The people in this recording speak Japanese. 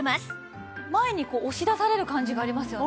前にこう押し出される感じがありますよね。